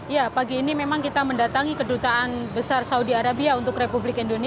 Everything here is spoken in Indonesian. ya pagi ini memang kita mendatangi kedutaan besar saudi arabia untuk republik indonesia